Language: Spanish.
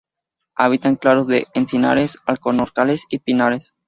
Habita en claros de encinares, alcornocales y pinares.